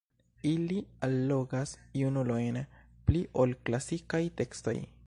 Ili allogas junulojn pli ol klasikaj tekstoj.